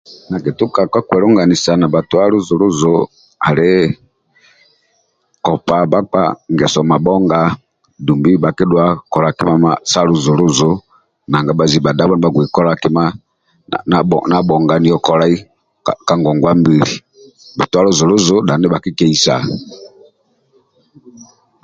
Ndia kitukaga kakwulunganisa na bhatwa luzuluzu ali kopa bhakpa ngeso mobhonga dunbi bhakidhuwa kola kima saluzuluu nanga bhazibhi bhadabho bhaghei kola kimandia bhonganiyo kolayi ka ngongwambili bhatwa luzuluzu dhani bhakikeyisa